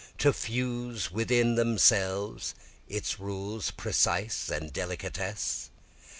To fuse within themselves its rules precise and delicatesse?